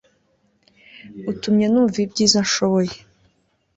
utumye numva ibyiza nshoboye